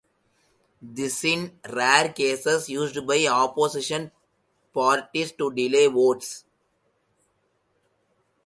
This is in rare cases used by opposition parties to delay votes.